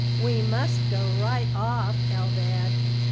"We must go right off, Eldad.